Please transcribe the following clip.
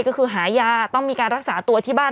ก็คือหายาต้องมีการรักษาตัวที่บ้าน